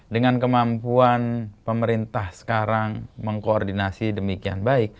dengan kemampuan pemerintah sekarang mengkoordinasi demikian baik